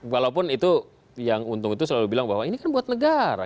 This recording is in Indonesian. walaupun itu yang untung itu selalu bilang bahwa ini kan buat negara